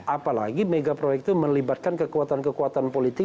apalagi megaproyek itu melibatkan kekuatan kekuatan politik